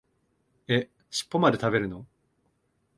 え、しっぽまで食べるの？